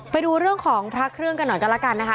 ไปดูเรื่องของพระเครื่องกันหน่อยกันแล้วกันนะคะ